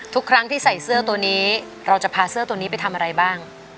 ทุกครั้งที่ใส่เสื้อตัวนี้เราจะพาเสื้อตัวนี้ไปทำอะไรบ้าง